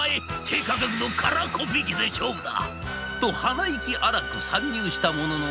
低価格のカラーコピー機で勝負だ！」と鼻息荒く参入したものの。